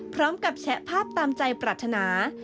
พร้อมกับแฉะภาพตามใจปรัฐนา